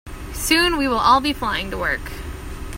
Soon, we will all be flying to work.